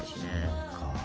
そっか。